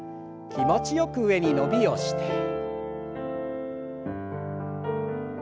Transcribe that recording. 気持ちよく上に伸びをして。